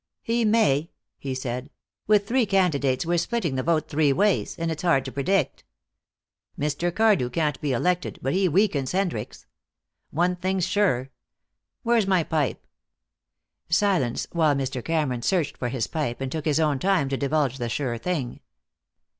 "He may," he said; "with three candidates we're splitting the vote three ways, and it's hard to predict. Mr. Cardew can't be elected, but he weakens Hendricks. One thing's sure. Where's my pipe?" Silence while Mr. Cameron searched for his pipe, and took his own time to divulge the sure thing.